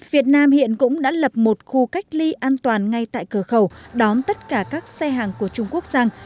việt nam hiện cũng đã lập một khu cách ly an toàn ngay tại cửa khẩu đón tất cả các xe hàng của trung quốc sang